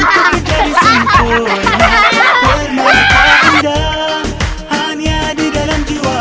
bukan bukan karena